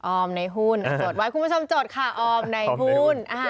ในหุ้นจดไว้คุณผู้ชมจดค่ะออมในหุ้น